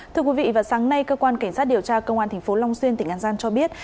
thưa quý vị vào sáng nay cơ quan cảnh sát điều tra công an tp long xuyên tỉnh an giang cho biết